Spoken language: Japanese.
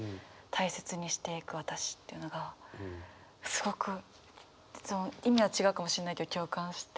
すごく意味は違うかもしれないけど共感して。